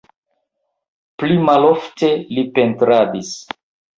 Pli malofte li pentradis.